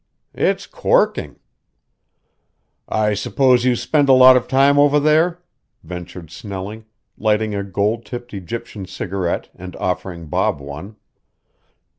"It's corking!" "I suppose you spend a lot of time over there," ventured Snelling, lighting a gold tipped Egyptian cigarette and offering Bob one.